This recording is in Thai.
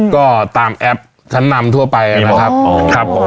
ก็ตามแอปขั้นนำทั่วไปนะครับ